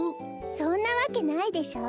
そんなわけないでしょ。